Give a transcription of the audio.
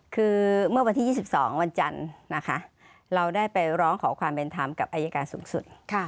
คือเมื่อวันที่๒๒วันจันทร์นะคะเราได้ไปร้องขอความเป็นธรรมกับอายการสูงสุด